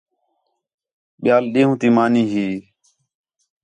ٻِیال ݙِین٘ہوں تی مانی ہی